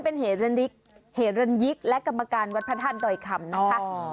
เป็นเหรนยิคเหรนยิคและกรรมการวัดพระธาตุดอยคำนะคะอ๋อ